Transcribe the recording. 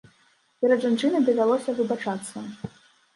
Перад жанчынай давялося выбачацца.